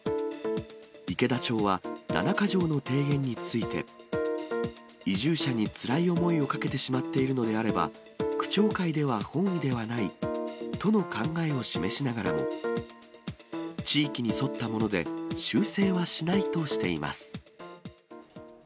池田町は七か条の提言について、移住者につらい思いをかけてしまっているのであれば、区長会では本意ではないとの考えを示しながらも、地域に沿ったもので、修正はしないとしています。